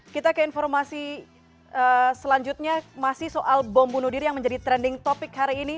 kita ke informasi selanjutnya masih soal bom bunuh diri yang menjadi trending topic hari ini